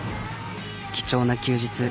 貴重な休日。